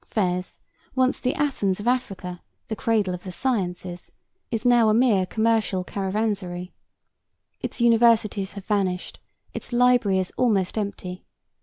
Fez, once the Athens of Africa, the cradle of the sciences, is now a mere commercial caravansary. Its universities have vanished, its library is almost empty.